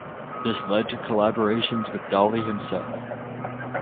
This led to collaborations with Dali himself.